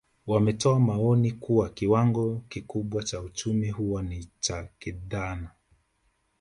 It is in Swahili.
Wametoa maoni kuwa kiwango kikubwa cha uchumi huwa ni cha kidhana